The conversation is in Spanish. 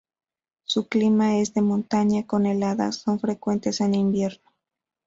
Su clima es de montaña, con heladas son frecuentes en invierno.